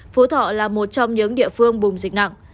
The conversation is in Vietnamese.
phú thọ là một trong những địa phương bùng dịch nặng